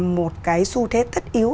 một cái xu thế thất yếu